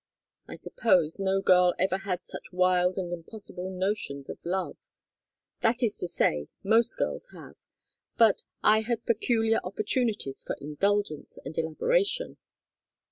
I suppose no girl ever had such wild and impossible notions of love. That is to say most girls have, but I had peculiar opportunities for indulgence and elaboration.